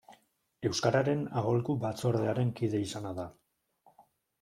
Euskararen Aholku Batzordearen kide izana da.